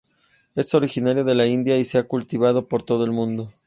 Es originaria de la India y se ha cultivado por todo el mundo.